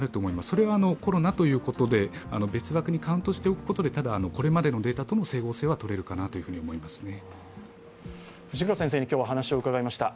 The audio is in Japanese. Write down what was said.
それはコロナということで別枠にカウントしていくことで、ただ、これまでのデータとも整合性はとれるかなと思いますね。